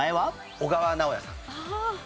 小川直也さん。